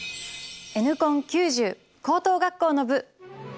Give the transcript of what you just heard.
「Ｎコン９０」高等学校の部。